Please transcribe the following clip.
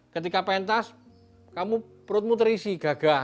ketika pentas kamu perutmu terisi gagah